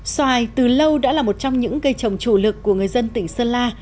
xoài từ lâu đã là một trong những cây trồng chủ lực của người dân tỉnh sơn la